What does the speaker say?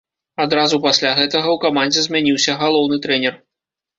Адразу пасля гэтага ў камандзе змяніўся галоўны трэнер.